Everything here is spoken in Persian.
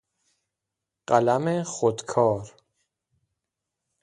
قلم خودکار